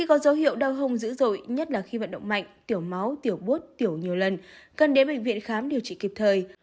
có dấu hiệu đau hông dữ dội nhất là khi vận động mạnh tiểu máu tiểu bút tiểu nhiều lần cần đến bệnh viện khám điều trị kịp thời